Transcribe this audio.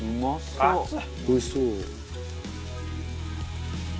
「おいしそう」